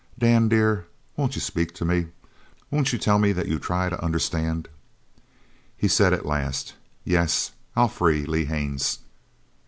"Dan, dear, won't you speak to me? Won't you tell me that you try to understand?" He said at last: "Yes. I'll free Lee Haines."